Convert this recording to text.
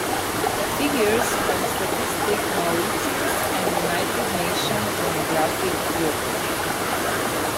Figures from Statistics Mauritius and United Nations Demographic Yearbook.